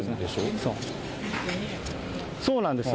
そうなんです。